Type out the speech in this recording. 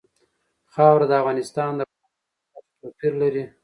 خاوره د افغانستان د ولایاتو په کچه توپیر لري.